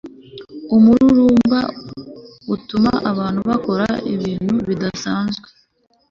umururumba utuma abantu bakora ibintu bidasanzwe